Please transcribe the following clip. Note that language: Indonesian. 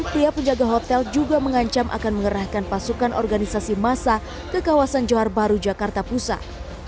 pihak penjaga hotel juga mengancam akan mengerahkan pasukan organisasi masa ke kawasan johar baru jakarta pusat